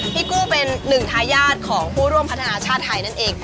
พี่กู้เป็นหนึ่งทายาทของผู้ร่วมพัฒนาชาติไทยนั่นเอง